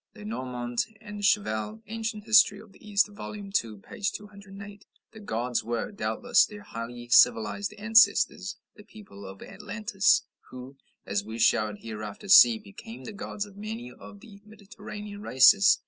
(Lenormant and Cheval, "Anc. Hist. of the East," vol. ii., p. 208.) "The gods" were, doubtless, their highly civilized ancestors the people of Atlantis who, as we shall hereafter see, became the gods of many of the Mediterranean races.